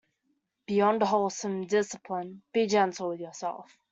Beyond a wholesome discipline, be gentle with yourself.